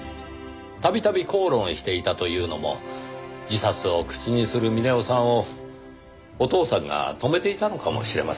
度々口論していたというのも自殺を口にする峰夫さんをお父さんが止めていたのかもしれません。